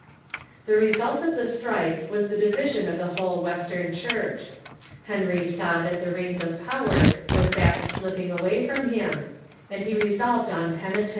The result of the strife Avas the division of the whole West ern Church. Henry saw that the reins of power Avere fast slipping from him, and he resolved on penitence.